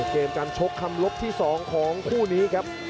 เกมการชกคำลบที่๒ของคู่นี้ครับ